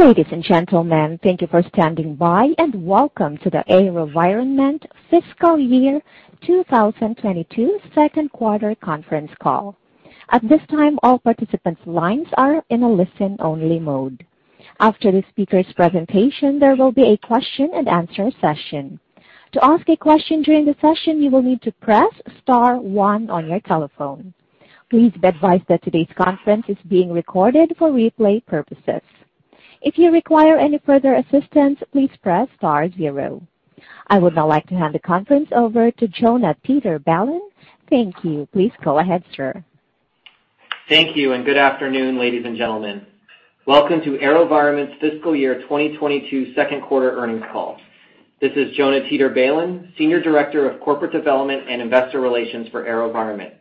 Ladies and gentlemen, thank you for standing by, and welcome to the AeroVironment Fiscal Year 2022 Second Quarter Conference Call. At this time, all participants' lines are in a listen-only mode. After the speaker's presentation, there will be a question-and-answer session. To ask a question during the session, you will need to press star one on your telephone. Please be advised that today's conference is being recorded for replay purposes. If you require any further assistance, please press Star zero. I would now like to hand the conference over to Jonah Teeter-Balin. Thank you. Please go ahead, sir. Thank you, and good afternoon, ladies and gentlemen. Welcome to AeroVironment's Fiscal Year 2022 second quarter earnings call. This is Jonah Teeter-Balin, Senior Director of Corporate Development and Investor Relations for AeroVironment.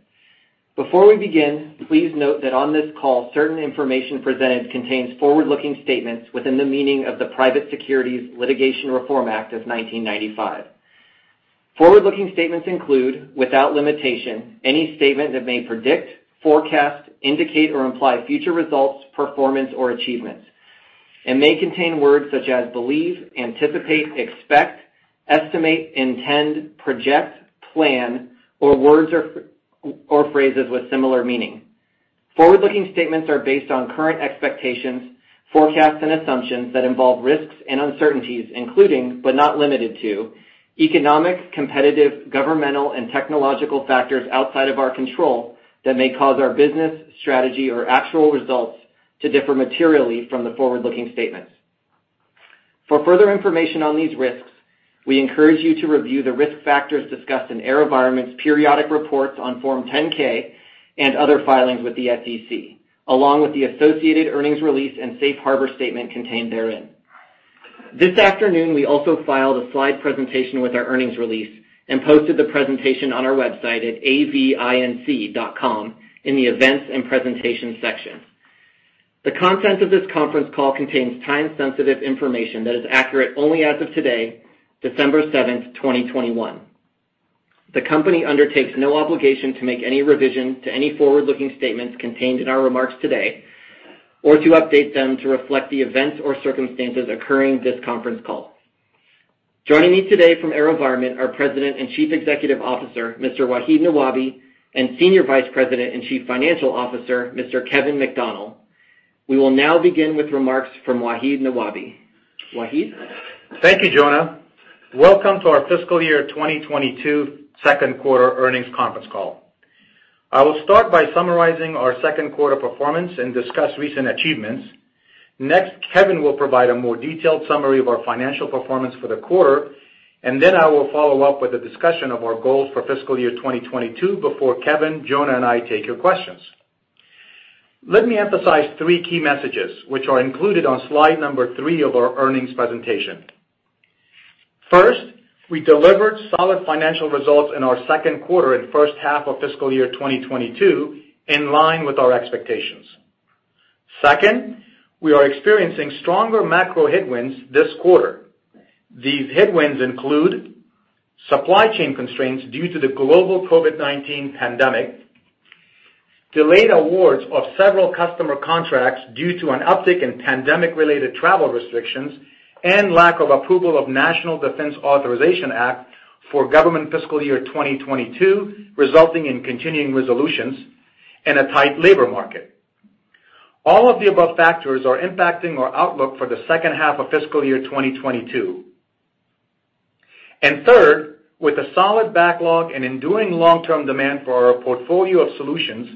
Before we begin, please note that on this call, certain information presented contains forward-looking statements within the meaning of the Private Securities Litigation Reform Act of 1995. Forward-looking statements include, without limitation, any statement that may predict, forecast, indicate, or imply future results, performance, or achievements, and may contain words such as believe, anticipate, expect, estimate, intend, project, plan, or words or phrases with similar meaning. Forward-looking statements are based on current expectations, forecasts, and assumptions that involve risks and uncertainties, including, but not limited to, economic, competitive, governmental, and technological factors outside of our control that may cause our business, strategy, or actual results to differ materially from the forward-looking statements. For further information on these risks, we encourage you to review the risk factors discussed in AeroVironment's periodic reports on Form 10-K and other filings with the SEC, along with the associated earnings release and safe harbor statement contained therein. This afternoon, we also filed a slide presentation with our earnings release and posted the presentation on our website at avinc.com in the Events and Presentation section. The content of this conference call contains time-sensitive information that is accurate only as of today, December seventh, twenty twenty-one. The company undertakes no obligation to make any revision to any forward-looking statements contained in our remarks today or to update them to reflect the events or circumstances occurring after this conference call. Joining me today from AeroVironment are President and Chief Executive Officer, Mr. Wahid Nawabi, and Senior Vice President and Chief Financial Officer, Mr. Kevin McDonnell. We will now begin with remarks from Wahid Nawabi. Wahid? Thank you, Jonah. Welcome to our fiscal year 2022 second quarter earnings conference call. I will start by summarizing our second quarter performance and discuss recent achievements. Next, Kevin will provide a more detailed summary of our financial performance for the quarter, and then I will follow up with a discussion of our goals for fiscal year 2022 before Kevin, Jonah, and I take your questions. Let me emphasize three key messages, which are included on slide number 3 of our earnings presentation. First, we delivered solid financial results in our second quarter and first half of fiscal year 2022 in line with our expectations. Second, we are experiencing stronger macro headwinds this quarter. These headwinds include supply chain constraints due to the global COVID-19 pandemic, delayed awards of several customer contracts due to an uptick in pandemic-related travel restrictions and lack of approval of National Defense Authorization Act for government fiscal year 2022, resulting in continuing resolutions in a tight labor market. All of the above factors are impacting our outlook for the second half of fiscal year 2022. Third, with a solid backlog and enduring long-term demand for our portfolio of solutions,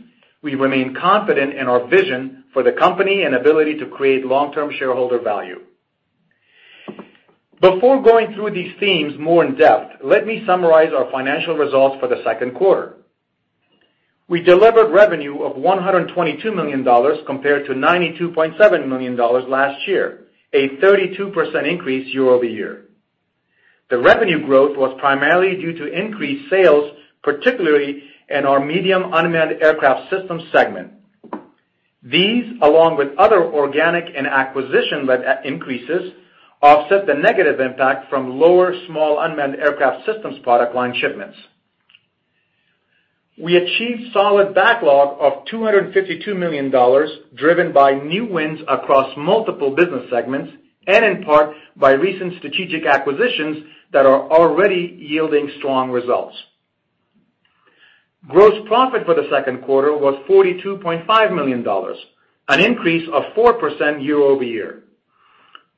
we remain confident in our vision for the company and ability to create long-term shareholder value. Before going through these themes more in-depth, let me summarize our financial results for the second quarter. We delivered revenue of $122 million compared to $92.7 million last year, a 32% increase year over year. The revenue growth was primarily due to increased sales, particularly in our Medium Unmanned Aircraft Systems segment. These, along with other organic and acquisition-led increases, offset the negative impact from lower Small Unmanned Aircraft Systems product line shipments. We achieved solid backlog of $252 million, driven by new wins across multiple business segments and in part by recent strategic acquisitions that are already yielding strong results. Gross profit for the second quarter was $42.5 million, an increase of 4% year-over-year.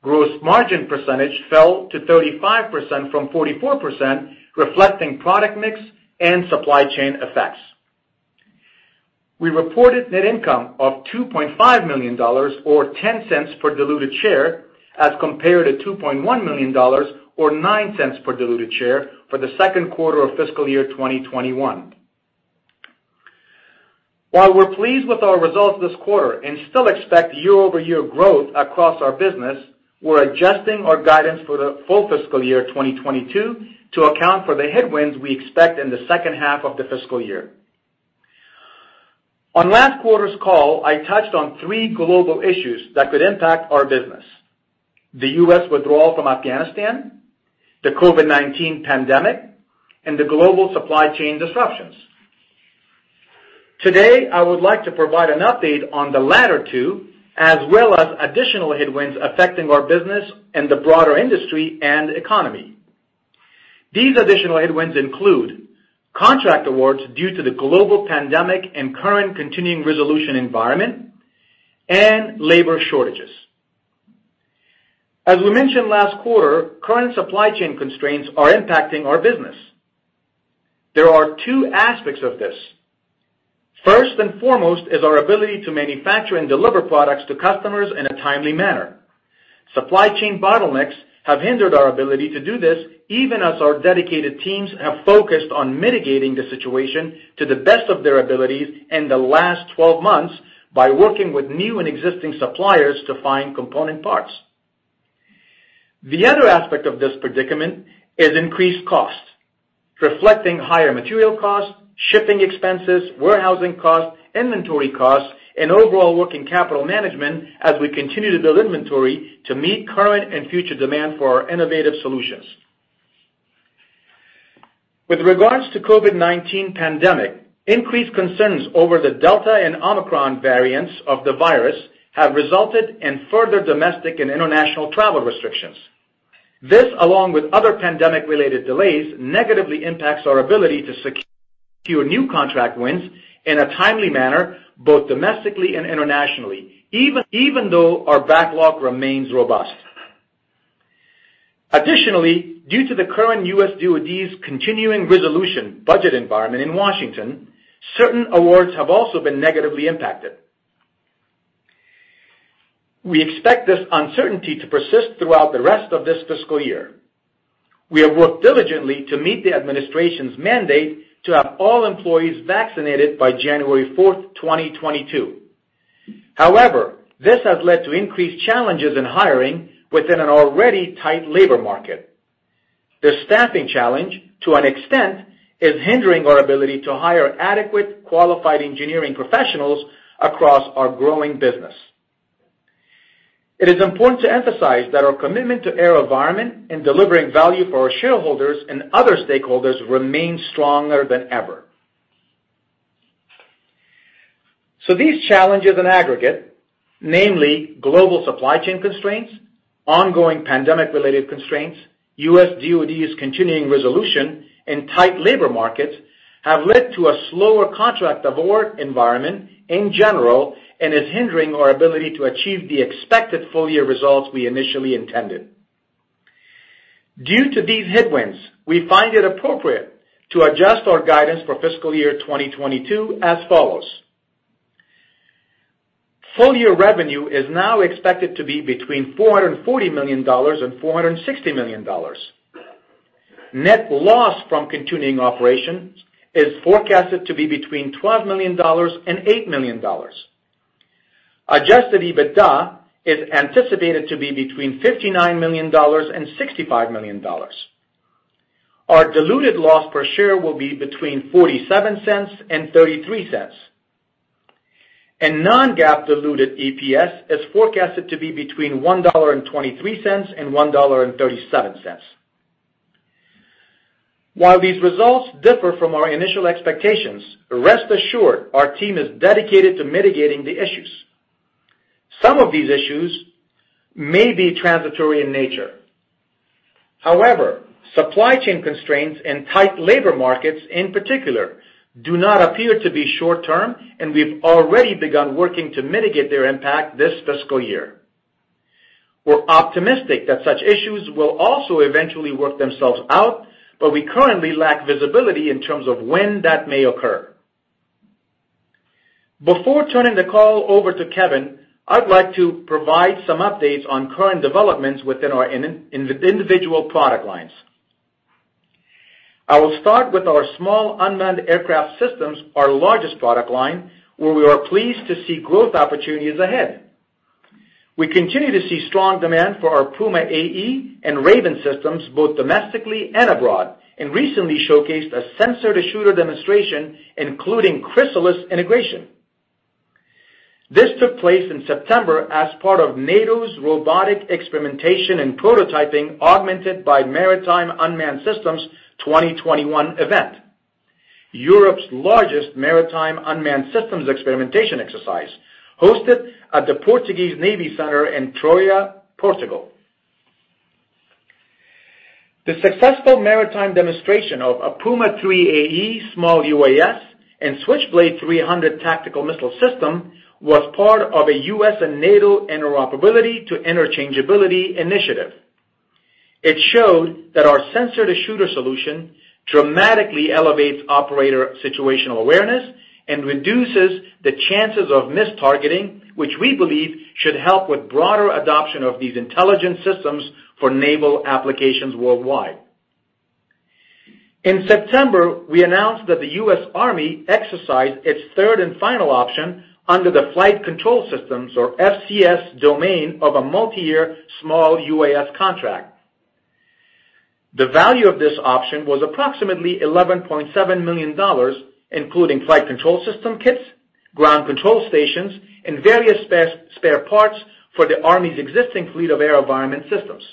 Gross margin percentage fell to 35% from 44%, reflecting product mix and supply chain effects. We reported net income of $2.5 million or $0.10 per diluted share as compared to $2.1 million or $0.09 per diluted share for the second quarter of fiscal year 2021. While we're pleased with our results this quarter and still expect year-over-year growth across our business, we're adjusting our guidance for the full fiscal year 2022 to account for the headwinds we expect in the second half of the fiscal year. On last quarter's call, I touched on three global issues that could impact our business: the U.S. withdrawal from Afghanistan, the COVID-19 pandemic, and the global supply chain disruptions. Today, I would like to provide an update on the latter two, as well as additional headwinds affecting our business and the broader industry and economy. These additional headwinds include contract awards due to the global pandemic and current continuing resolution environment and labor shortages. As we mentioned last quarter, current supply chain constraints are impacting our business. There are two aspects of this. First and foremost is our ability to manufacture and deliver products to customers in a timely manner. Supply chain bottlenecks have hindered our ability to do this, even as our dedicated teams have focused on mitigating the situation to the best of their abilities in the last 12 months by working with new and existing suppliers to find component parts. The other aspect of this predicament is increased costs, reflecting higher material costs, shipping expenses, warehousing costs, inventory costs, and overall working capital management as we continue to build inventory to meet current and future demand for our innovative solutions. With regards to COVID-19 pandemic, increased concerns over the Delta and Omicron variants of the virus have resulted in further domestic and international travel restrictions. This, along with other pandemic-related delays, negatively impacts our ability to secure new contract wins in a timely manner, both domestically and internationally, even though our backlog remains robust. Additionally, due to the current U.S. DoD's continuing resolution budget environment in Washington, certain awards have also been negatively impacted. We expect this uncertainty to persist throughout the rest of this fiscal year. We have worked diligently to meet the administration's mandate to have all employees vaccinated by January 4, 2022. However, this has led to increased challenges in hiring within an already tight labor market. The staffing challenge, to an extent, is hindering our ability to hire adequate qualified engineering professionals across our growing business. It is important to emphasize that our commitment to AeroVironment and delivering value for our shareholders and other stakeholders remains stronger than ever. These challenges in aggregate, namely global supply chain constraints, ongoing pandemic-related constraints, US DOD's continuing resolution, and tight labor markets, have led to a slower contract award environment in general and is hindering our ability to achieve the expected full-year results we initially intended. Due to these headwinds, we find it appropriate to adjust our guidance for fiscal year 2022 as follows. Full-year revenue is now expected to be between $440 million and $460 million. Net loss from continuing operations is forecasted to be between $12 million and $8 million. Adjusted EBITDA is anticipated to be between $59 million and $65 million. Our diluted loss per share will be between 47 cents and 33 cents. Non-GAAP diluted EPS is forecasted to be between $1.23 and $1.37. While these results differ from our initial expectations, rest assured our team is dedicated to mitigating the issues. Some of these issues may be transitory in nature. However, supply chain constraints and tight labor markets in particular do not appear to be short-term, and we've already begun working to mitigate their impact this fiscal year. We're optimistic that such issues will also eventually work themselves out, but we currently lack visibility in terms of when that may occur. Before turning the call over to Kevin, I'd like to provide some updates on current developments within our individual product lines. I will start with our small unmanned aircraft systems, our largest product line, where we are pleased to see growth opportunities ahead. We continue to see strong demand for our Puma AE and Raven systems, both domestically and abroad, and recently showcased a sensor-to-shooter demonstration, including Crysalis integration. This took place in September as part of NATO's Robotic Experimentation and Prototyping Augmented by Maritime Unmanned Systems 2021 event, Europe's largest maritime unmanned systems experimentation exercise, hosted at the Portuguese Navy Center in Troia, Portugal. The successful maritime demonstration of a Puma 3 AE small UAS and Switchblade 300 tactical missile system was part of a U.S. and NATO interoperability to interchangeability initiative. It showed that our sensor-to-shooter solution dramatically elevates operator situational awareness and reduces the chances of mistargeting, which we believe should help with broader adoption of these intelligent systems for naval applications worldwide. In September, we announced that the U.S. Army exercised its third and final option under the flight control systems, or FCS, domain of a multi-year small UAS contract. The value of this option was approximately $11.7 million, including flight control system kits, ground control stations, and various spare parts for the Army's existing fleet of AeroVironment systems.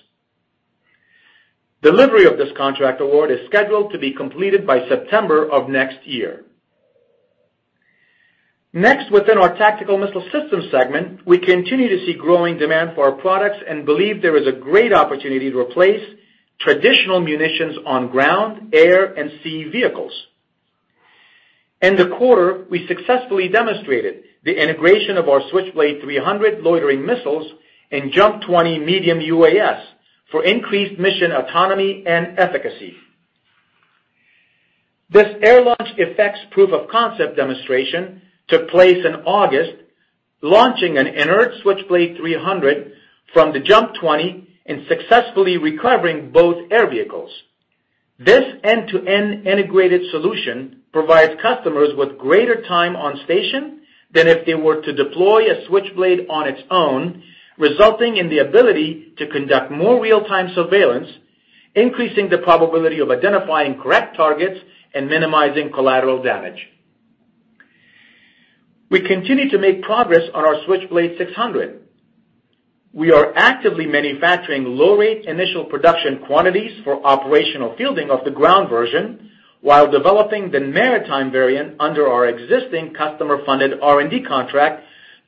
Delivery of this contract award is scheduled to be completed by September of next year. Next, within our Tactical Missile Systems segment, we continue to see growing demand for our products and believe there is a great opportunity to replace traditional munitions on ground, air, and sea vehicles. In the quarter, we successfully demonstrated the integration of our Switchblade 300 loitering missiles in JUMP 20 medium UAS for increased mission autonomy and efficacy. This air launch effects proof of concept demonstration took place in August, launching an inert Switchblade 300 from the JUMP 20 and successfully recovering both air vehicles. This end-to-end integrated solution provides customers with greater time on station than if they were to deploy a Switchblade on its own, resulting in the ability to conduct more real-time surveillance, increasing the probability of identifying correct targets and minimizing collateral damage. We continue to make progress on our Switchblade 600. We are actively manufacturing low rate initial production quantities for operational fielding of the ground version while developing the maritime variant under our existing customer-funded R&D contract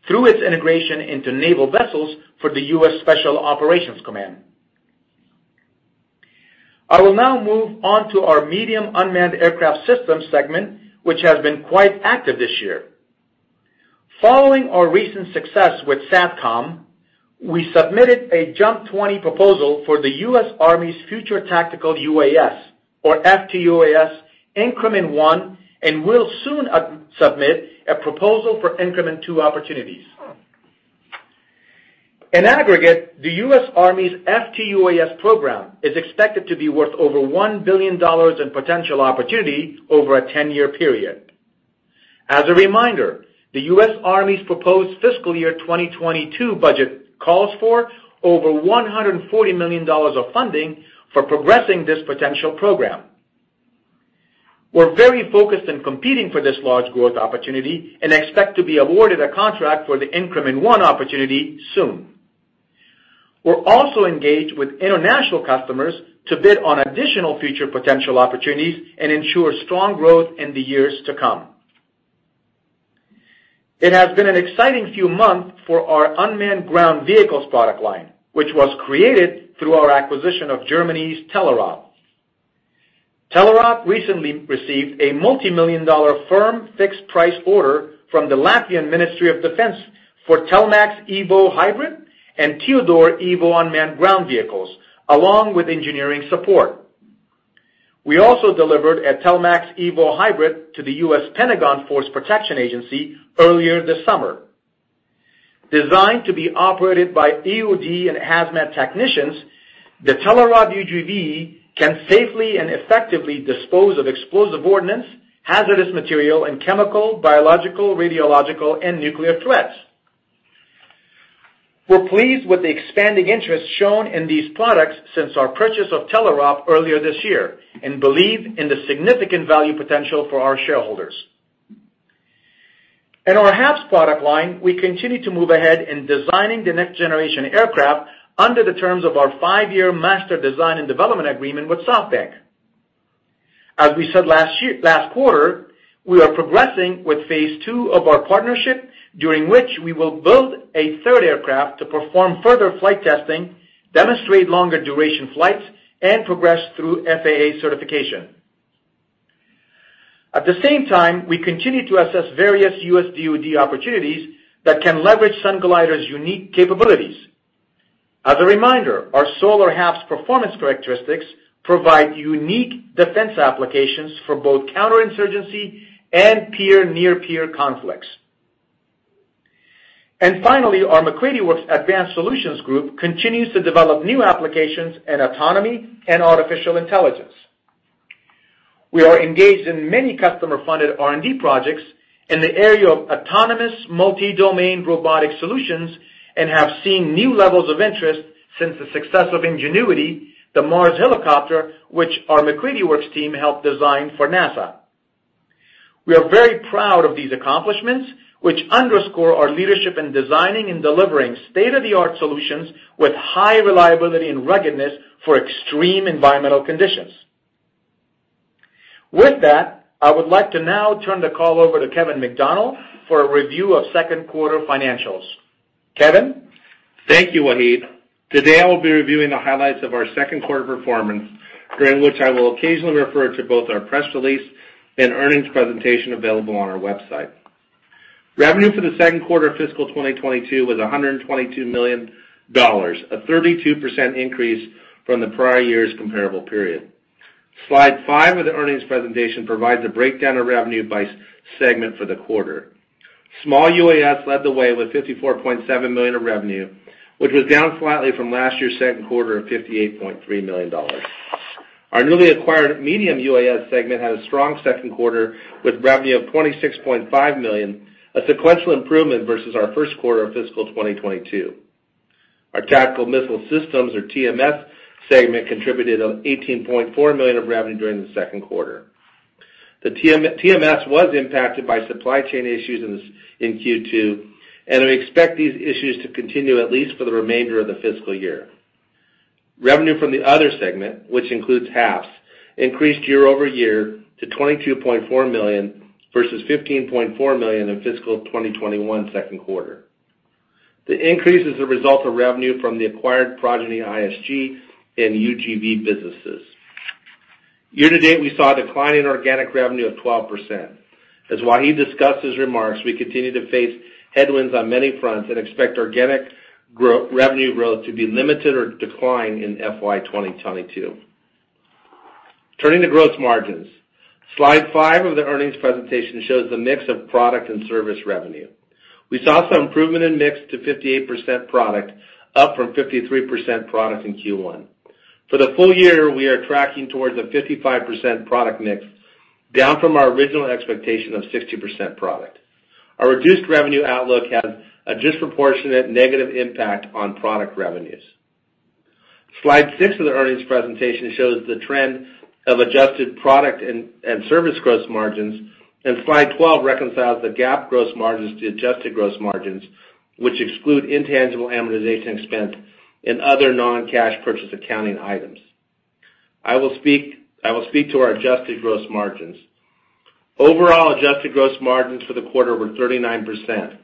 through its integration into naval vessels for the U.S. Special Operations Command. I will now move on to our medium unmanned aircraft systems segment, which has been quite active this year. Following our recent success with SATCOM, we submitted a JUMP 20 proposal for the U.S. Army's Future Tactical UAS or FTUAS Increment 1, and will soon submit a proposal for Increment two opportunities. In aggregate, the U.S. Army's FTUAS program is expected to be worth over $1 billion in potential opportunity over a 10-year period. As a reminder, the U.S. Army's proposed fiscal year 2022 budget calls for over $140 million of funding for progressing this potential program. We're very focused in competing for this large growth opportunity and expect to be awarded a contract for the Increment 1 opportunity soon. We're also engaged with international customers to bid on additional future potential opportunities and ensure strong growth in the years to come. It has been an exciting few months for our unmanned ground vehicles product line, which was created through our acquisition of Germany's Telerob. Telerob recently received a $multi-million firm fixed price order from the Latvian Ministry of Defence for telemax EVO HYBRID and tEODor EVO unmanned ground vehicles, along with engineering support. We also delivered a telemax EVO HYBRID to the U.S. Pentagon Force Protection Agency earlier this summer. Designed to be operated by EOD and HazMat technicians, the Telerob UGV can safely and effectively dispose of explosive ordnance, hazardous material, and chemical, biological, radiological, and nuclear threats. We're pleased with the expanding interest shown in these products since our purchase of Telerob earlier this year and believe in the significant value potential for our shareholders. In our HAPS product line, we continue to move ahead in designing the next generation aircraft under the terms of our five-year master design and development agreement with SoftBank. As we said last quarter, we are progressing with phase two of our partnership, during which we will build a third aircraft to perform further flight testing, demonstrate longer duration flights, and progress through FAA certification. At the same time, we continue to assess various U.S. DOD opportunities that can leverage Sunglider's unique capabilities. As a reminder, our solar HAPS performance characteristics provide unique defense applications for both counterinsurgency and peer, near peer conflicts. Finally, our MacCready Works Advanced Solutions Group continues to develop new applications in autonomy and artificial intelligence. We are engaged in many customer-funded R&D projects in the area of autonomous multi-domain robotic solutions and have seen new levels of interest since the success of Ingenuity, the Mars helicopter, which our MacCready Works team helped design for NASA. We are very proud of these accomplishments, which underscore our leadership in designing and delivering state-of-the-art solutions with high reliability and ruggedness for extreme environmental conditions. With that, I would like to now turn the call over to Kevin McDonnell for a review of second quarter financials. Kevin? Thank you, Wahid. Today I will be reviewing the highlights of our second quarter performance, during which I will occasionally refer to both our press release and earnings presentation available on our website. Revenue for the second quarter of fiscal 2022 was $122 million, a 32% increase from the prior year's comparable period. Slide five of the earnings presentation provides a breakdown of revenue by segment for the quarter. Small UAS led the way with $54.7 million of revenue, which was down slightly from last year's second quarter of $58.3 million. Our newly acquired medium UAS segment had a strong second quarter with revenue of $26.5 million, a sequential improvement versus our first quarter of fiscal 2022. Our tactical missile systems or TMS segment contributed $18.4 million of revenue during the second quarter. The TMS was impacted by supply chain issues in Q2, and we expect these issues to continue at least for the remainder of the fiscal year. Revenue from the other segment, which includes HAPS, increased year-over-year to $22.4 million versus $15.4 million in fiscal 2021 second quarter. The increase is a result of revenue from the acquired Progeny ISG and UGV businesses. Year to date, we saw a decline in organic revenue of 12%. As Wahid discussed in his remarks, we continue to face headwinds on many fronts and expect organic revenue growth to be limited or decline in FY 2022. Turning to gross margins. Slide 5 of the earnings presentation shows the mix of product and service revenue. We saw some improvement in mix to 58% product, up from 53% product in Q1. For the full year, we are tracking towards a 55% product mix, down from our original expectation of 60% product. Our reduced revenue outlook has a disproportionate negative impact on product revenues. Slide six of the earnings presentation shows the trend of adjusted product and service gross margins, and slide 12 reconciles the GAAP gross margins to adjusted gross margins, which exclude intangible amortization expense and other non-cash purchase accounting items. I will speak to our adjusted gross margins. Overall adjusted gross margins for the quarter were 39%,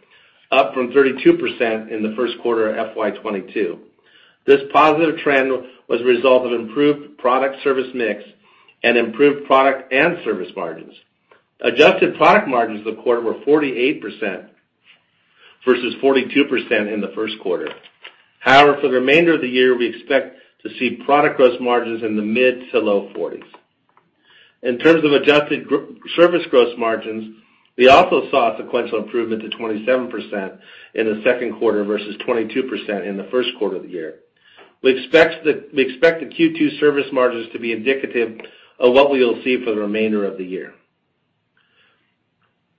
up from 32% in the first quarter of FY 2022. This positive trend was a result of improved product service mix and improved product and service margins. Adjusted product margins of the quarter were 48% versus 42% in the first quarter. However, for the remainder of the year, we expect to see product gross margins in the mid- to low 40s. In terms of adjusted gross service gross margins, we also saw a sequential improvement to 27% in the second quarter versus 22% in the first quarter of the year. We expect the Q2 service margins to be indicative of what we will see for the remainder of the year.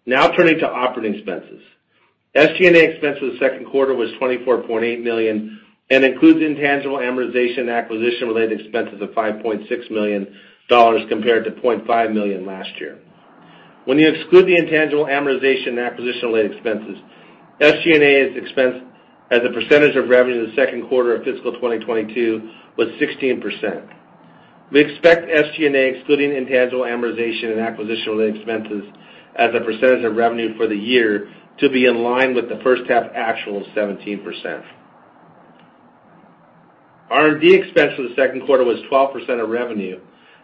Now turning to operating expenses. SG&A expense for the second quarter was $24.8 million and includes intangible amortization and acquisition-related expenses of $5.6 million compared to $0.5 million last year. When you exclude the intangible amortization and acquisition-related expenses, SG&A expense as a percentage of revenue in the second quarter of fiscal 2022 was 16%. We expect SG&A, excluding intangible amortization and acquisition-related expenses, as a percentage of revenue for the year to be in line with the first half actual of 17%. R&D expense for the second quarter was 12% of revenue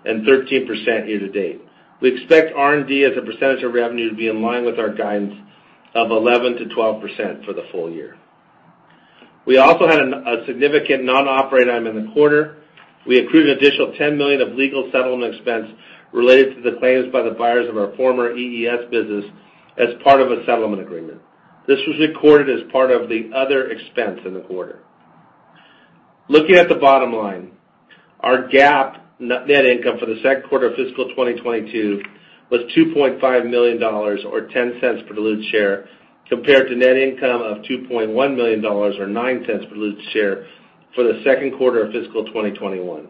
and 13% year to date. We expect R&D as a percentage of revenue to be in line with our guidance of 11%-12% for the full year. We also had a significant non-operating item in the quarter. We accrued an additional $10 million of legal settlement expense related to the claims by the buyers of our former EES business as part of a settlement agreement. This was recorded as part of the other expense in the quarter. Looking at the bottom line, our GAAP net income for the second quarter of fiscal 2022 was $2.5 million or $0.10 per diluted share, compared to net income of $2.1 million or $0.09 per diluted share for the second quarter of fiscal 2021.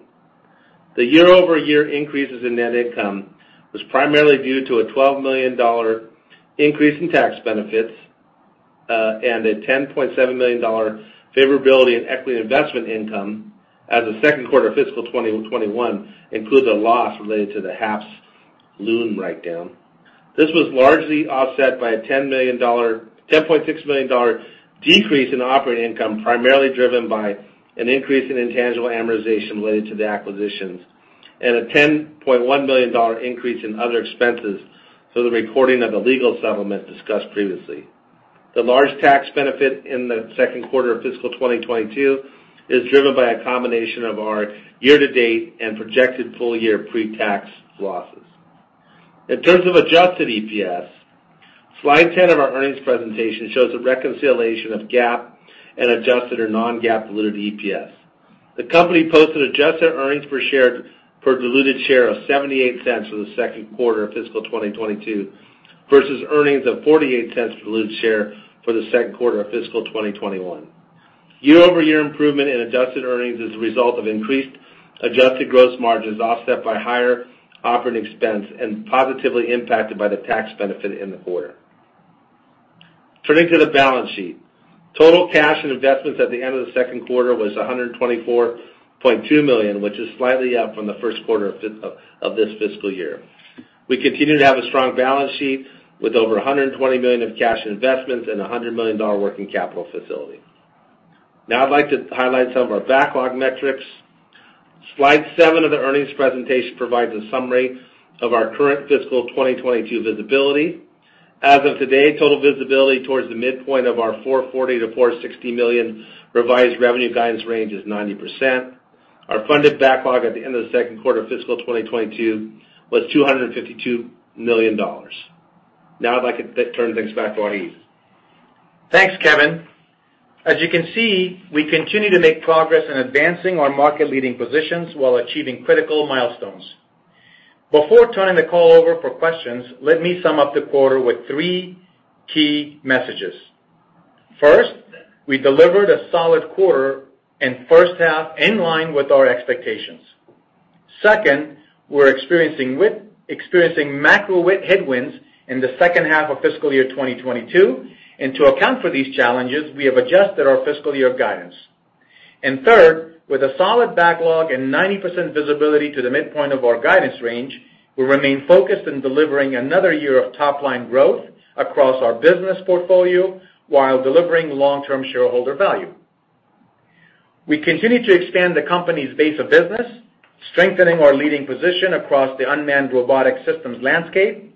The year-over-year increases in net income was primarily due to a $12 million increase in tax benefits, and a $10.7 million favorability in equity investment income as the second quarter of fiscal 2021 includes a loss related to the HAPS loan write-down. This was largely offset by a $10.6 million decrease in operating income, primarily driven by an increase in intangible amortization related to the acquisitions and a $10.1 million increase in other expenses for the recording of the legal settlement discussed previously. The large tax benefit in the second quarter of fiscal 2022 is driven by a combination of our year-to-date and projected full-year pre-tax losses. In terms of adjusted EPS, slide 10 of our earnings presentation shows a reconciliation of GAAP and adjusted or non-GAAP diluted EPS. The company posted adjusted earnings per diluted share of $0.78 for the second quarter of fiscal 2022 versus earnings of $0.48 per diluted share for the second quarter of fiscal 2021. Year-over-year improvement in adjusted earnings is a result of increased adjusted gross margins offset by higher operating expense and positively impacted by the tax benefit in the quarter. Turning to the balance sheet. Total cash and investments at the end of the second quarter was $124.2 million, which is slightly up from the first quarter of this fiscal year. We continue to have a strong balance sheet with over $120 million of cash investments and a $100 million working capital facility. Now I'd like to highlight some of our backlog metrics. Slide 7 of the earnings presentation provides a summary of our current fiscal 2022 visibility. As of today, total visibility towards the midpoint of our $440 million-$460 million revised revenue guidance range is 90%. Our funded backlog at the end of the second quarter of fiscal 2022 was $252 million. Now I'd like to turn things back to Wahid. Thanks, Kevin. As you can see, we continue to make progress in advancing our market-leading positions while achieving critical milestones. Before turning the call over for questions, let me sum up the quarter with three key messages. First, we delivered a solid quarter and first half in line with our expectations. Second, we're experiencing macro headwinds in the second half of fiscal year 2022. To account for these challenges, we have adjusted our fiscal year guidance. Third, with a solid backlog and 90% visibility to the midpoint of our guidance range, we remain focused on delivering another year of top line growth across our business portfolio while delivering long-term shareholder value. We continue to expand the company's base of business, strengthening our leading position across the unmanned robotic systems landscape.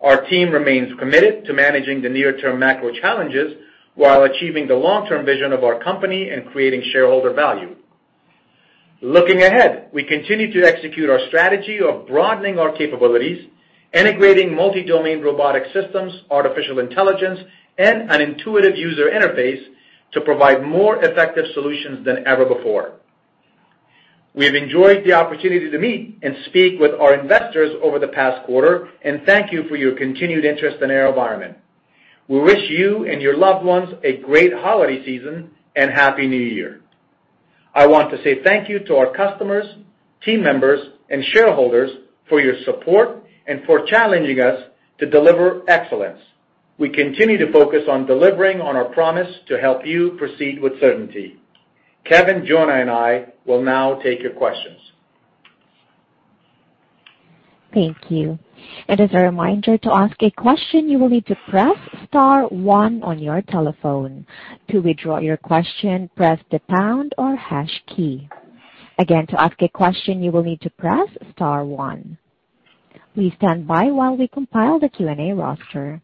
Our team remains committed to managing the near-term macro challenges while achieving the long-term vision of our company and creating shareholder value. Looking ahead, we continue to execute our strategy of broadening our capabilities, integrating multi-domain robotic systems, artificial intelligence, and an intuitive user interface to provide more effective solutions than ever before. We have enjoyed the opportunity to meet and speak with our investors over the past quarter, and thank you for your continued interest in AeroVironment. We wish you and your loved ones a great holiday season and happy new year. I want to say thank you to our customers, team members, and shareholders for your support and for challenging us to deliver excellence. We continue to focus on delivering on our promise to help you proceed with certainty. Kevin, Jonah, and I will now take your questions. Thank you. As a reminder, to ask a question, you will need to press star one on your telephone. To withdraw your question, press the pound or hash key. Again, to ask a question, you will need to press star one. Please stand by while we compile the Q&A roster.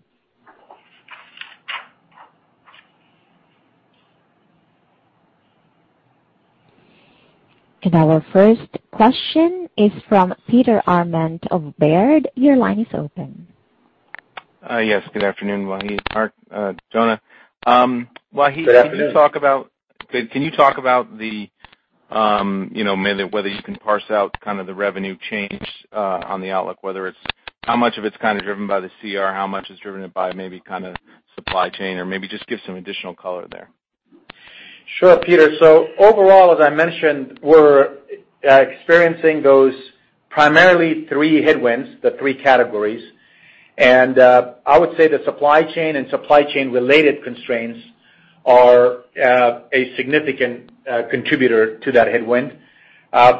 Our first question is from Peter Arment of Baird. Your line is open. Yes, good afternoon, Wahid, Mark, Jonah. Good afternoon. Can you talk about the, you know, maybe whether you can parse out kind of the revenue change, on the outlook, whether it's how much of it's kind of driven by the CR, how much is driven by maybe kinda supply chain, or maybe just give some additional color there? Sure, Peter. Overall, as I mentioned, we're experiencing those primarily three headwinds, the three categories. I would say the supply chain and supply chain-related constraints are a significant contributor to that headwind.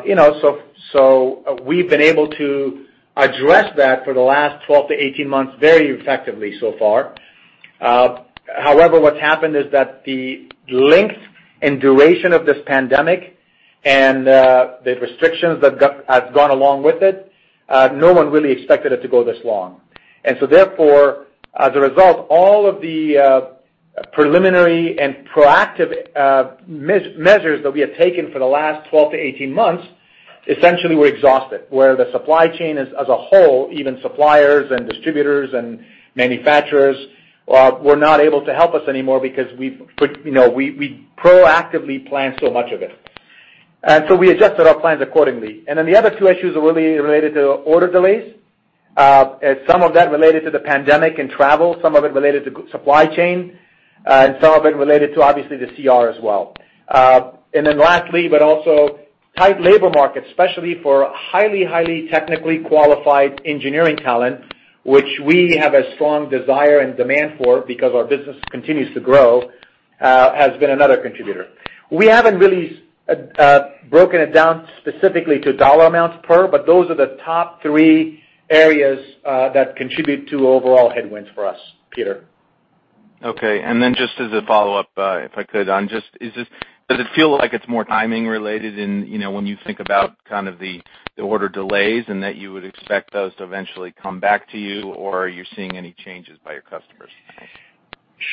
You know, so we've been able to address that for the last 12-18 months very effectively so far. However, what's happened is that the length and duration of this pandemic and the restrictions that has gone along with it, no one really expected it to go this long. Therefore, as a result, all of the preliminary and proactive measures that we have taken for the last 12-18 months essentially were exhausted, where the supply chain as a whole, even suppliers and distributors and manufacturers, were not able to help us anymore because we've, you know, we proactively planned so much of it. We adjusted our plans accordingly. The other two issues are really related to order delays, and some of that related to the pandemic and travel, some of it related to supply chain, and some of it related to obviously the CR as well. Lastly, but also tight labor markets, especially for highly technically qualified engineering talent, which we have a strong desire and demand for because our business continues to grow, has been another contributor. We haven't really broken it down specifically to dollar amounts per, but those are the top three areas that contribute to overall headwinds for us, Peter. Okay. Just as a follow-up, if I could on just, does it feel like it's more timing related in, you know, when you think about kind of the order delays and that you would expect those to eventually come back to you, or are you seeing any changes by your customers?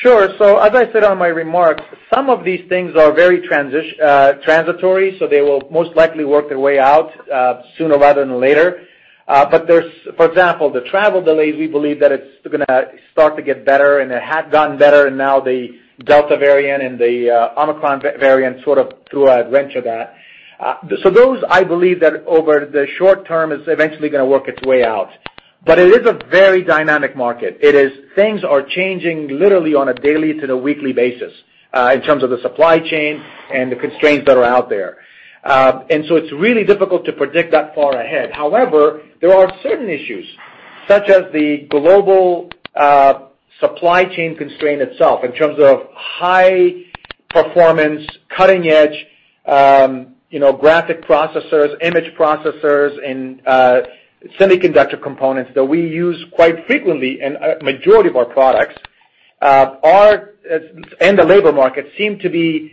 Sure. As I said on my remarks, some of these things are very transitory, so they will most likely work their way out sooner rather than later. There's, for example, the travel delays. We believe that it's gonna start to get better and it had gotten better, and now the Delta variant and the Omicron variant sort of threw a wrench at that. Those, I believe that over the short term it's eventually gonna work its way out. It is a very dynamic market. Things are changing literally on a daily to the weekly basis in terms of the supply chain and the constraints that are out there. It's really difficult to predict that far ahead. However, there are certain issues such as the global supply chain constraint itself in terms of high performance, cutting-edge graphic processors, image processors, and semiconductor components that we use quite frequently in a majority of our products, and the labor market seem to be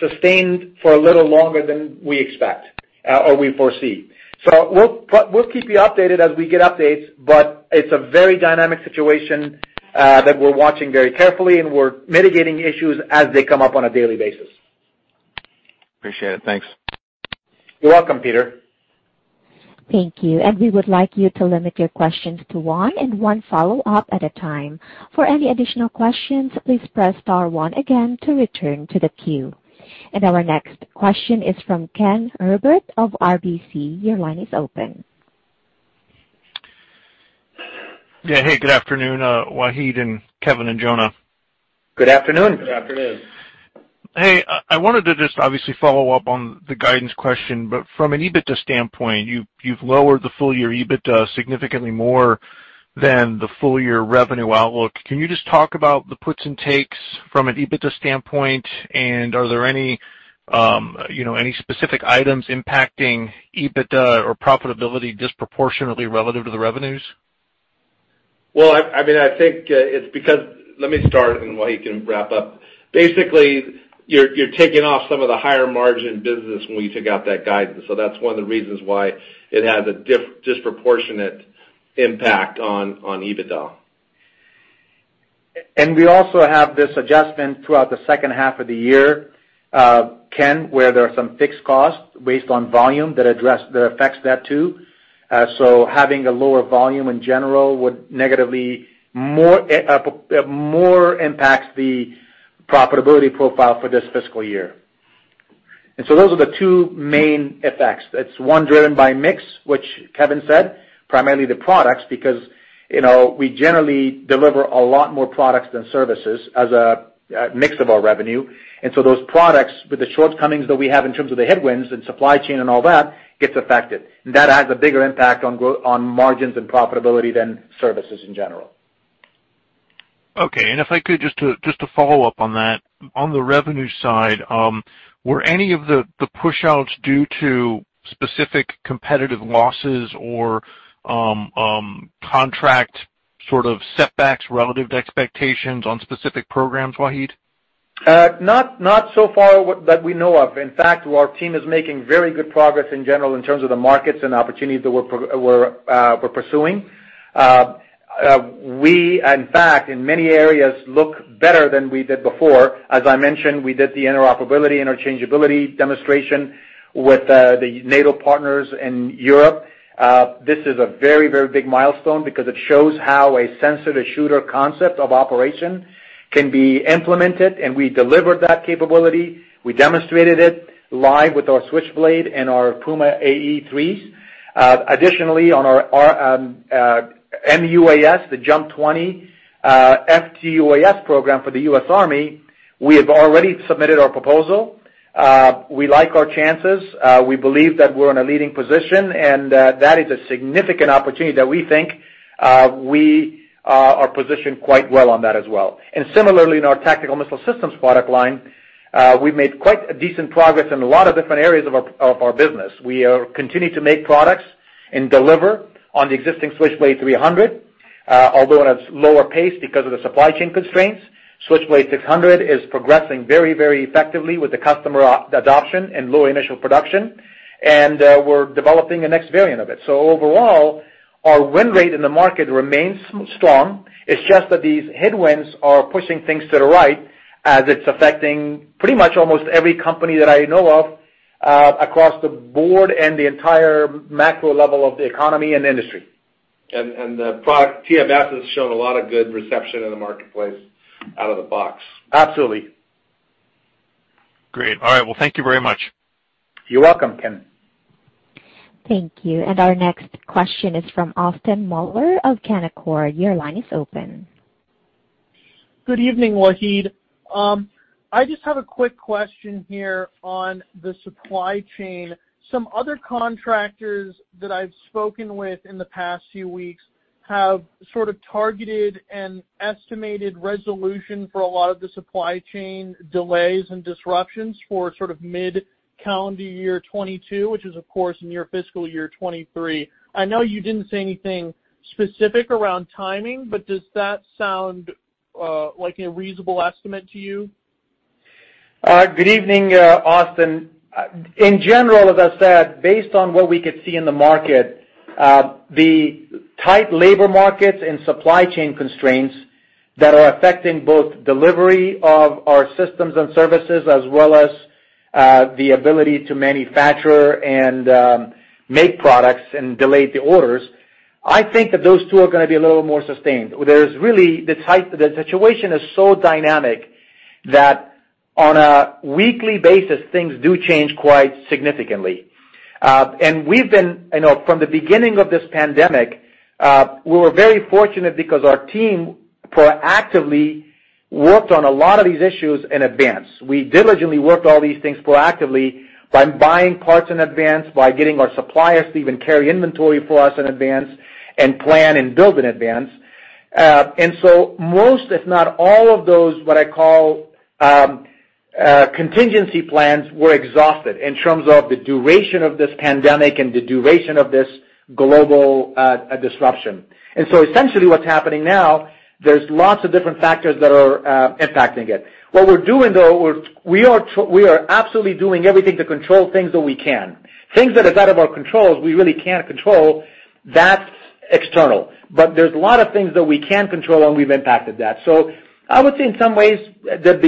sustained for a little longer than we expect or we foresee. We'll keep you updated as we get updates, but it's a very dynamic situation that we're watching very carefully, and we're mitigating issues as they come up on a daily basis. Appreciate it. Thanks. You're welcome, Peter. Thank you. We would like you to limit your questions to one and one follow-up at a time. For any additional questions, please press star one again to return to the queue. Our next question is from Ken Herbert of RBC. Your line is open. Yeah. Hey, good afternoon, Wahid and Kevin and Jonah. Good afternoon. Good afternoon. Hey, I wanted to just obviously follow up on the guidance question, but from an EBITDA standpoint, you've lowered the full year EBITDA significantly more than the full year revenue outlook. Can you just talk about the puts and takes from an EBITDA standpoint? And are there any, you know, any specific items impacting EBITDA or profitability disproportionately relative to the revenues? Well, I mean, I think it's because let me start, and Wahid can wrap up. Basically, you're taking off some of the higher margin business when we took out that guidance. That's one of the reasons why it has a disproportionate impact on EBITDA. We also have this adjustment throughout the second half of the year, Ken, where there are some fixed costs based on volume that affects that too. Having a lower volume in general would more negatively impact the profitability profile for this fiscal year. Those are the two main effects. It's one driven by mix, which Kevin said, primarily the products, because, you know, we generally deliver a lot more products than services as a mix of our revenue. Those products, with the shortcomings that we have in terms of the headwinds and supply chain and all that, gets affected. That has a bigger impact on margins and profitability than services in general. Okay. If I could just to follow up on that. On the revenue side, were any of the push outs due to specific competitive losses or, contract sort of setbacks relative to expectations on specific programs, Wahid? Not so far that we know of. In fact, our team is making very good progress in general in terms of the markets and opportunities that we're pursuing. In fact, in many areas, we look better than we did before. As I mentioned, we did the interoperability, interchangeability demonstration with the NATO partners in Europe. This is a very big milestone because it shows how a sensor-to-shooter concept of operation can be implemented, and we delivered that capability. We demonstrated it live with our Switchblade and our Puma 3 AEs. Additionally, on our MUAS, the JUMP 20, FTUAS program for the U.S. Army, we have already submitted our proposal. We like our chances. We believe that we're in a leading position, and that is a significant opportunity that we think we are positioned quite well on that as well. Similarly, in our Tactical Missile Systems product line, we've made quite decent progress in a lot of different areas of our business. We are continuing to make products and deliver on the existing Switchblade 300, although at a lower pace because of the supply chain constraints. Switchblade 600 is progressing very effectively with the customer adoption and low-rate initial production. We're developing the next variant of it. Overall, our win rate in the market remains strong. It's just that these headwinds are pushing things to the right as it's affecting pretty much almost every company that I know of, across the board and the entire macro level of the economy and industry. The product TMS has shown a lot of good reception in the marketplace out of the box. Absolutely. Great. All right. Well, thank you very much. You're welcome, Ken. Thank you. Our next question is from Austin Moeller of Canaccord. Your line is open. Good evening, Wahid. I just have a quick question here on the supply chain. Some other contractors that I've spoken with in the past few weeks have sort of targeted an estimated resolution for a lot of the supply chain delays and disruptions for sort of mid-calendar year 2022, which is, of course, near fiscal year 2023. I know you didn't say anything specific around timing, but does that sound like a reasonable estimate to you? Good evening, Austin. In general, as I said, based on what we could see in the market, the tight labor markets and supply chain constraints that are affecting both delivery of our systems and services as well as the ability to manufacture and make products and deliver the orders, I think that those two are gonna be a little more sustained. There's really the situation is so dynamic that on a weekly basis, things do change quite significantly. You know, from the beginning of this pandemic, we were very fortunate because our team proactively worked on a lot of these issues in advance. We diligently worked all these things proactively by buying parts in advance, by getting our suppliers to even carry inventory for us in advance and plan and build in advance. Most, if not all of those, what I call, contingency plans were exhausted in terms of the duration of this pandemic and the duration of this global disruption. Essentially what's happening now, there's lots of different factors that are impacting it. What we're doing, though, we are absolutely doing everything to control things that we can. Things that are out of our control, we really can't control. That's external. There's a lot of things that we can control, and we've impacted that. I would say in some ways, the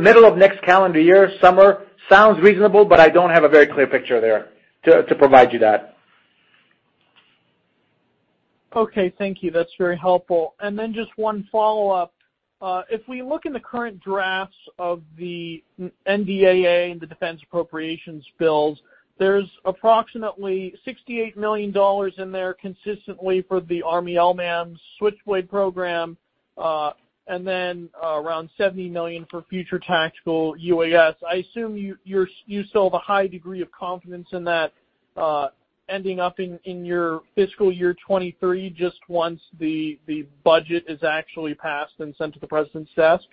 middle of next calendar year, summer sounds reasonable, but I don't have a very clear picture there to provide you that. Okay, thank you. That's very helpful. Just one follow-up. If we look in the current drafts of the NDAA and the defense appropriations bills, there's approximately $68 million in there consistently for the Army LMAMS Switchblade program, and then around $70 million for future tactical UAS. I assume you still have a high degree of confidence in that ending up in your fiscal year 2023, just once the budget is actually passed and sent to the president's desk.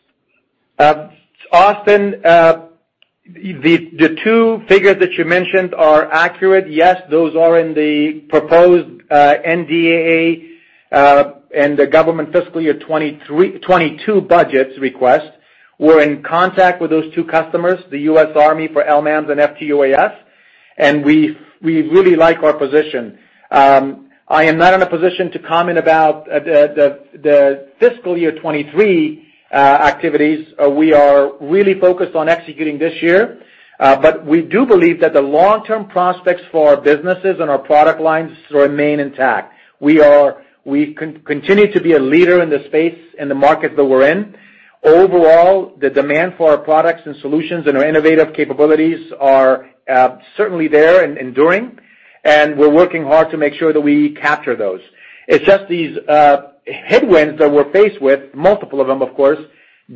Austin, the two figures that you mentioned are accurate. Yes, those are in the proposed NDAA and the government fiscal year 2022 budget request. We're in contact with those two customers, the U.S. Army for LMAMs and FTUAS, and we really like our position. I am not in a position to comment about the fiscal year 2023 activities. We are really focused on executing this year. We do believe that the long-term prospects for our businesses and our product lines remain intact. We continue to be a leader in the space, in the market that we're in. Overall, the demand for our products and solutions and our innovative capabilities are certainly there and enduring, and we're working hard to make sure that we capture those. It's just these headwinds that we're faced with, multiple of them, of course,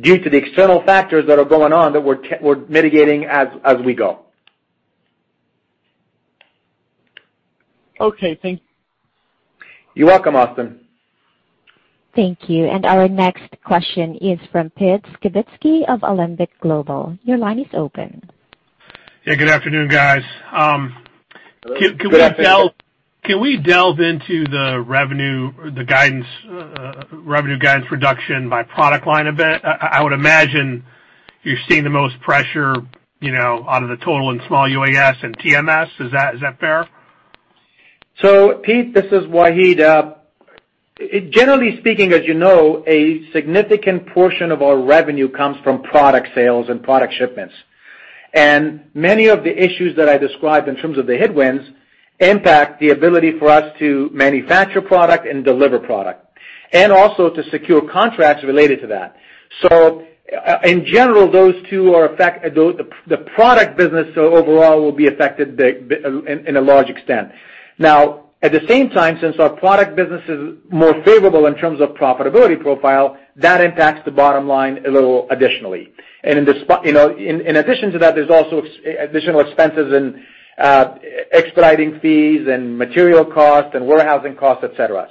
due to the external factors that are going on, that we're mitigating as we go. Okay, thank you. You're welcome, Austin. Thank you. Our next question is from Pete Skibitski of Alembic Global. Your line is open. Yeah, good afternoon, guys. Can we delve- Good afternoon, Pete. Can we delve into the revenue, the guidance, revenue guidance reduction by product line a bit? I would imagine you're seeing the most pressure, you know, out of the total and small UAS and TMS. Is that fair? Pete, this is Wahid. Generally speaking, as you know, a significant portion of our revenue comes from product sales and product shipments. Many of the issues that I described in terms of the headwinds impact the ability for us to manufacture product and deliver product, and also to secure contracts related to that. In general, those two, the product business overall will be affected in a large extent. Now, at the same time, since our product business is more favorable in terms of profitability profile, that impacts the bottom line a little additionally. You know, in addition to that, there's also additional expenses and expediting fees and material costs and warehousing costs, et cetera.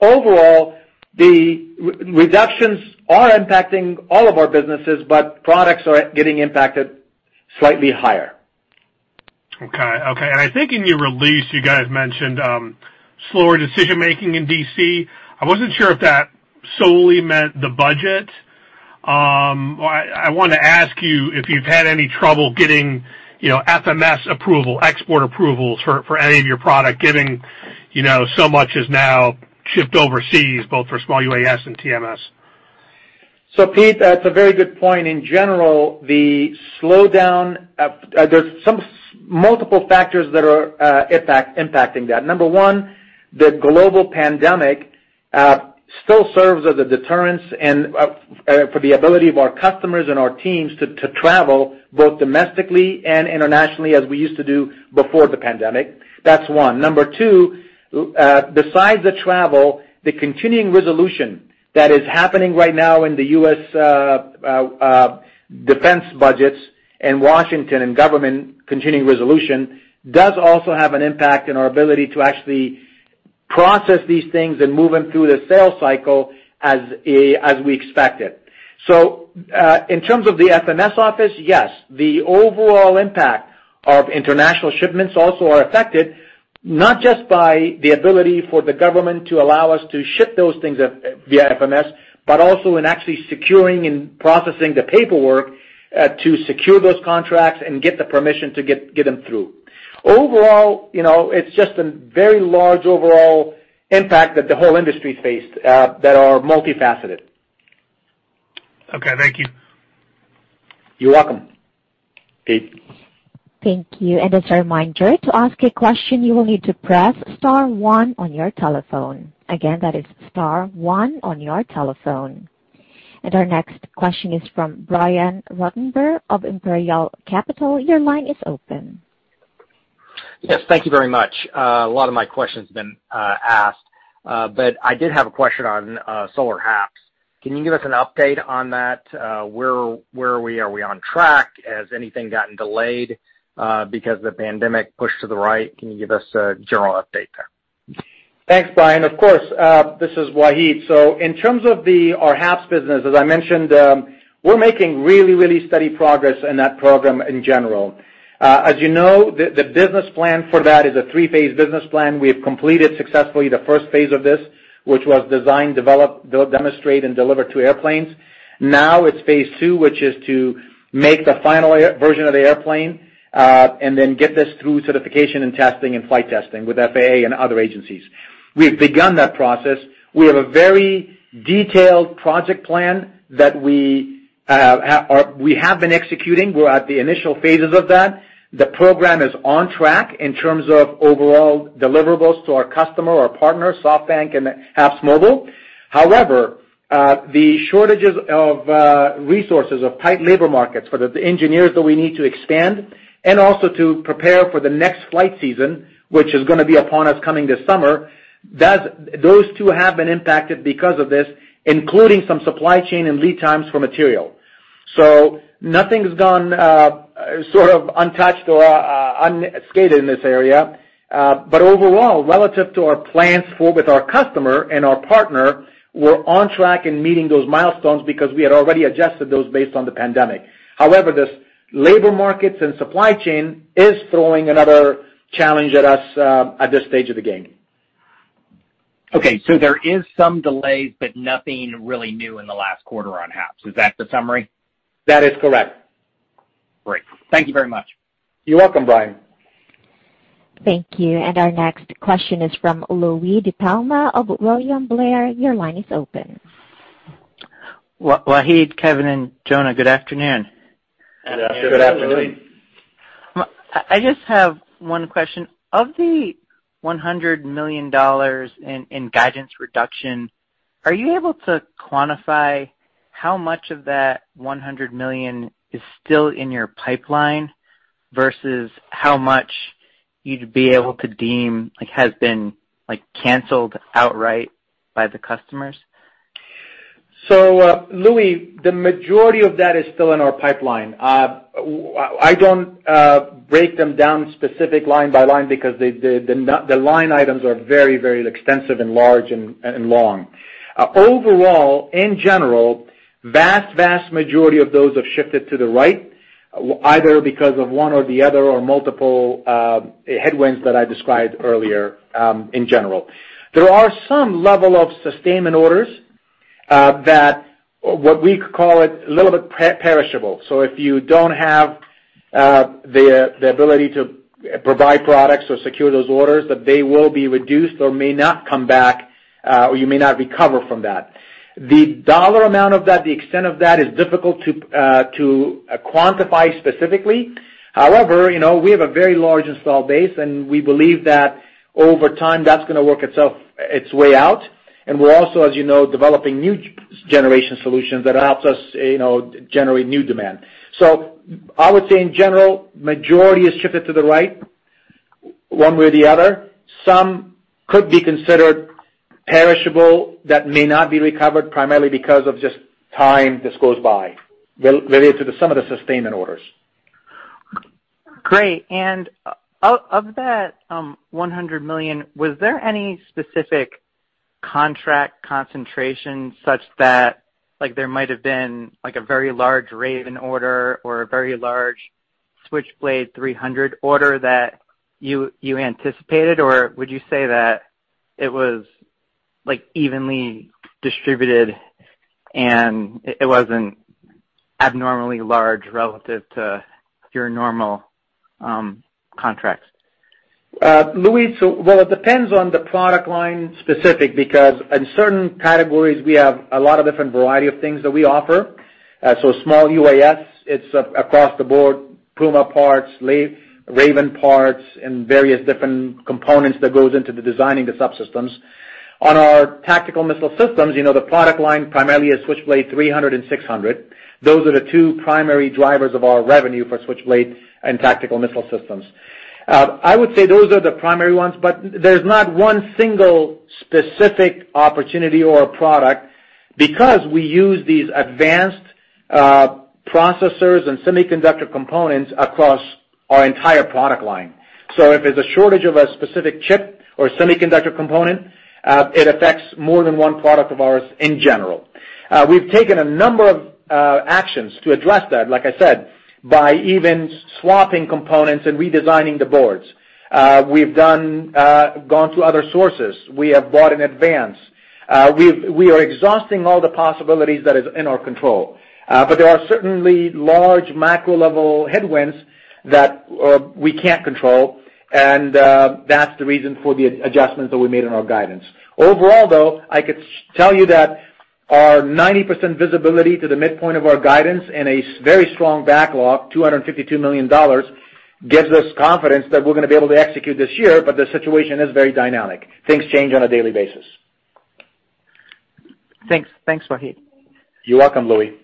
Overall, the reductions are impacting all of our businesses, but products are getting impacted slightly higher. Okay. I think in your release, you guys mentioned slower decision-making in D.C. I wasn't sure if that solely meant the budget. I wanna ask you if you've had any trouble getting, you know, FMS approval, export approvals for any of your product, given, you know, so much is now shipped overseas, both for small UAS and TMS. Pete, that's a very good point. In general, the slowdown, there's some multiple factors that are impacting that. Number one, the global pandemic still serves as a deterrence and for the ability of our customers and our teams to travel both domestically and internationally as we used to do before the pandemic. That's one. Number two, besides the travel, the continuing resolution that is happening right now in the U.S. defense budgets and Washington and government continuing resolution does also have an impact in our ability to actually process these things and move them through the sales cycle as we expected. In terms of the FMS office, yes, the overall impact of international shipments also are affected, not just by the ability for the government to allow us to ship those things via FMS, but also in actually securing and processing the paperwork to secure those contracts and get the permission to get them through. Overall, you know, it's just a very large overall impact that the whole industry faced that are multifaceted. Okay, thank you. You're welcome, Pete. Thank you. As a reminder, to ask a question, you will need to press star one on your telephone. Again, that is star one on your telephone. Our next question is from Brian Ruttenbur of Imperial Capital. Your line is open. Yes, thank you very much. A lot of my question's been asked, but I did have a question on solar HAPS. Can you give us an update on that? Where are we? Are we on track? Has anything gotten delayed because the pandemic pushed to the right? Can you give us a general update there? Thanks, Brian. Of course, this is Wahid. In terms of our HAPS business, as I mentioned, we're making really steady progress in that program in general. As you know, the business plan for that is a three-phase business plan. We have completed successfully the first phase of this, which was design, develop, demonstrate and deliver 2 airplanes. Now it's phase two, which is to make the final version of the airplane, and then get this through certification and testing and flight testing with FAA and other agencies. We've begun that process. We have a very detailed project plan that we have been executing. We're at the initial phases of that. The program is on track in terms of overall deliverables to our customer or partners, SoftBank and HAPSMobile. However, the shortages of resources and tight labor markets for the engineers that we need to expand and also to prepare for the next flight season, which is gonna be upon us coming this summer, those two have been impacted because of this, including some supply chain and lead times for material. Nothing's gone sort of untouched or unscathed in this area. But overall, relative to our plans with our customer and our partner, we're on track in meeting those milestones because we had already adjusted those based on the pandemic. However, this labor markets and supply chain is throwing another challenge at us at this stage of the game. Okay. There is some delays, but nothing really new in the last quarter on HAPS. Is that the summary? That is correct. Great. Thank you very much. You're welcome, Brian. Thank you. Our next question is from Louie DiPalma of William Blair. Your line is open. Wahid, Kevin, and Jonah, good afternoon. Good afternoon. I just have one question. Of the $100 million in guidance reduction, are you able to quantify how much of that $100 million is still in your pipeline versus how much you'd be able to deem, like, has been, like, canceled outright by the customers? Louie, the majority of that is still in our pipeline. I don't break them down specific line by line because the line items are very extensive and large and long. Overall, in general, vast majority of those have shifted to the right, either because of one or the other or multiple headwinds that I described earlier, in general. There are some level of sustainment orders that what we call a little bit perishable. If you don't have the ability to provide products or secure those orders, that they will be reduced or may not come back, or you may not recover from that. The dollar amount of that, the extent of that, is difficult to quantify specifically. However, you know, we have a very large install base, and we believe that over time, that's gonna work its way out. We're also, as you know, developing new generation solutions that helps us, you know, generate new demand. I would say in general, majority is shifted to the right one way or the other. Some could be considered perishable that may not be recovered primarily because of just time that goes by related to some of the sustainment orders. Great. Of that $100 million, was there any specific contract concentration such that, like, there might have been, like a very large Raven order or a very large Switchblade 300 order that you anticipated? Would you say that it was, like, evenly distributed and it wasn't abnormally large relative to your normal contracts? Louis, well, it depends on the product line specific, because in certain categories, we have a lot of different variety of things that we offer. Small UAS, it's across the board, Puma parts, Raven parts, and various different components that goes into the designing the subsystems. On our tactical missile systems, you know, the product line primarily is Switchblade 300 and 600. Those are the two primary drivers of our revenue for Switchblade and tactical missile systems. I would say those are the primary ones, but there's not one single specific opportunity or product because we use these advanced processors and semiconductor components across our entire product line. If there's a shortage of a specific chip or semiconductor component, it affects more than one product of ours in general. We've taken a number of actions to address that, like I said, by even swapping components and redesigning the boards. We've gone to other sources. We have bought in advance. We are exhausting all the possibilities that is in our control. There are certainly large macro level headwinds that we can't control, and that's the reason for the adjustments that we made in our guidance. Overall, though, I could tell you that our 90% visibility to the midpoint of our guidance and a very strong backlog, $252 million, gives us confidence that we're gonna be able to execute this year, but the situation is very dynamic. Things change on a daily basis. Thanks. Thanks, Wahid. You're welcome, Louis. Thank you.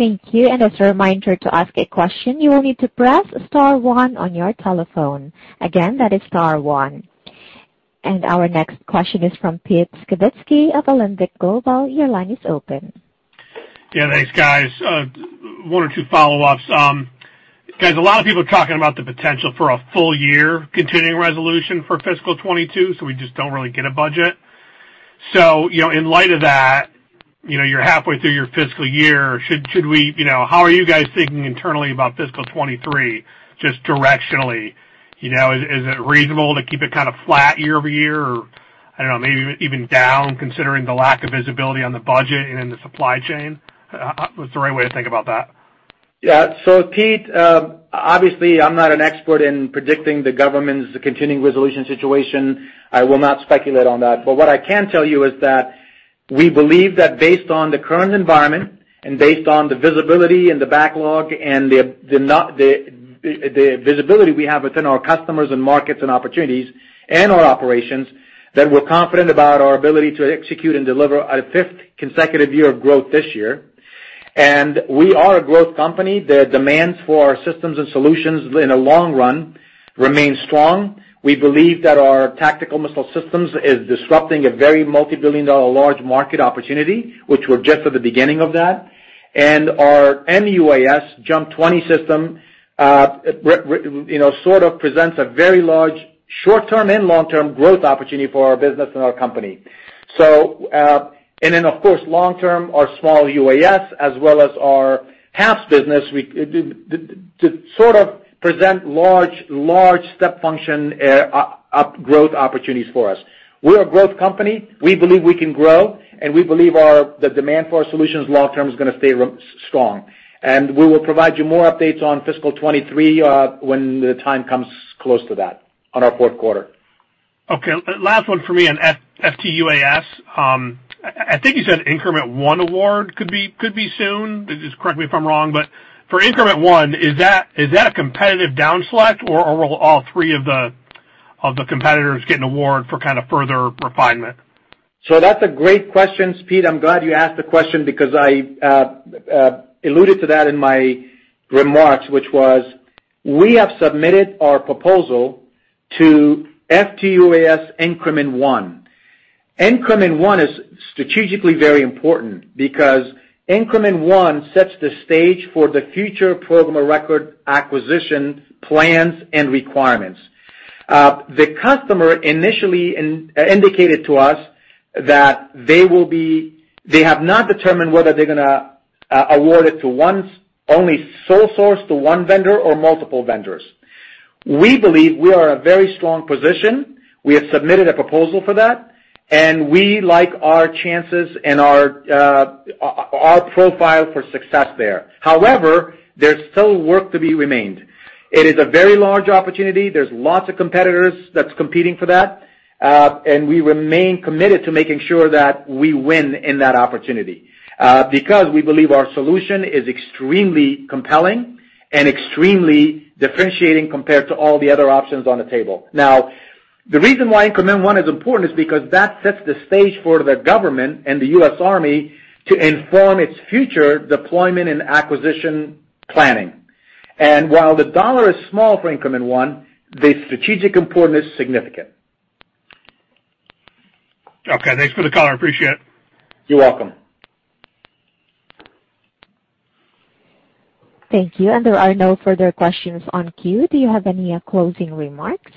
As a reminder to ask a question, you will need to press star one on your telephone. Again, that is star one. Our next question is from Pete Skibitski of Alembic Global Advisors. Your line is open. Yeah, thanks, guys. One or two follow-ups. Guys, a lot of people are talking about the potential for a full year continuing resolution for fiscal 2022, so we just don't really get a budget. In light of that, you're halfway through your fiscal year. How are you guys thinking internally about fiscal 2023, just directionally? Is it reasonable to keep it kind of flat year over year? Or maybe even down considering the lack of visibility on the budget and in the supply chain? What's the right way to think about that? Yeah. Pete Skibitski, obviously I'm not an expert in predicting the government's continuing resolution situation. I will not speculate on that. What I can tell you is that we believe that based on the current environment and based on the visibility and the backlog and the visibility we have within our customers and markets and opportunities and our operations, that we're confident about our ability to execute and deliver a fifth consecutive year of growth this year. We are a growth company. The demands for our systems and solutions in the long run remain strong. We believe that our tactical missile systems is disrupting a very multi-billion-dollar large market opportunity, which we're just at the beginning of that. Our MUAS JUMP 20 system, you know, sort of presents a very large short-term and long-term growth opportunity for our business and our company. Of course, long term, our small UAS as well as our HAPS business, we to sort of present large step function growth opportunities for us. We're a growth company. We believe we can grow, and we believe the demand for our solutions long term is gonna stay strong. We will provide you more updates on fiscal 2023 when the time comes close to that on our fourth quarter. Okay, last one for me on F-FTUAS. I think you said increment one award could be soon. Just correct me if I'm wrong. For increment one, is that a competitive down select or will all three of the competitors get an award for kind of further refinement? That's a great question, Pete. I'm glad you asked the question because I alluded to that in my remarks, which was we have submitted our proposal to FTUAS increment one. Increment one is strategically very important because increment one sets the stage for the future program of record acquisition plans and requirements. The customer initially indicated to us that they have not determined whether they're gonna award it to one only sole source to one vendor or multiple vendors. We believe we are in a very strong position. We have submitted a proposal for that, and we like our chances and our profile for success there. However, there's still work that remains. It is a very large opportunity. There's lots of competitors that's competing for that, and we remain committed to making sure that we win in that opportunity, because we believe our solution is extremely compelling and extremely differentiating compared to all the other options on the table. Now, the reason why increment one is important is because that sets the stage for the government and the U.S. Army to inform its future deployment and acquisition planning. While the dollar is small for increment one, the strategic importance is significant. Okay, thanks for the color. I appreciate it. You're welcome. Thank you. There are no further questions in the queue. Do you have any closing remarks?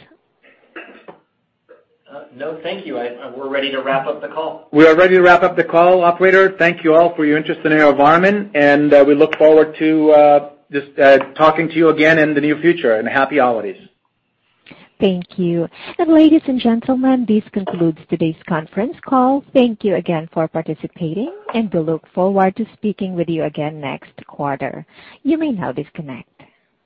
No, thank you. We're ready to wrap up the call. We are ready to wrap up the call, operator. Thank you all for your interest in AeroVironment, and we look forward to just talking to you again in the near future, and happy holidays. Thank you. Ladies and gentlemen, this concludes today's conference call. Thank you again for participating, and we look forward to speaking with you again next quarter. You may now disconnect.